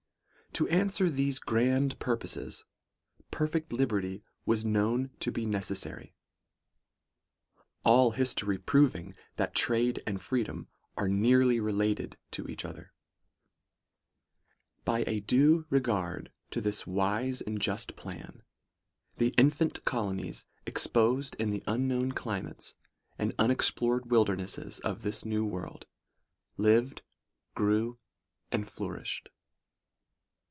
' To answer these grand purposes, perfect liberty was known to be necessary; all history proving, that trade and freedom are nearly related to each other. By a due regard to this wise and just plan, the in fant colonies, exposed in the unknown climates and unexplored wildernesses of this new world, lived, grew, and flourished.